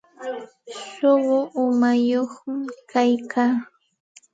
Suqu umañaq kayka.